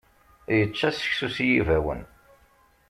Yečča seksu s yibawen.